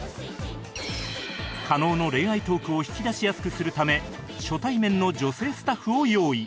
加納の恋愛トークを引き出しやすくするため初対面の女性スタッフを用意